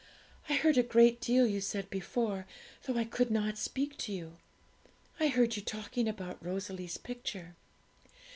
I heard a great deal you said before, though I could not speak to you. I heard you talking about Rosalie's picture.'